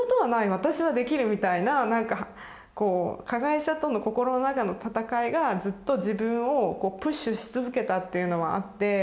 私はできるみたいななんかこう加害者との心の中の闘いがずっと自分をプッシュし続けたっていうのはあって。